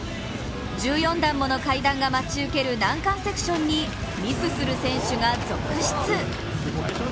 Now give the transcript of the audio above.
１４段もの階段が待ち受ける難関セクションにミスする選手が続出。